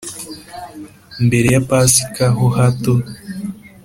mbere ya pasika ho hato,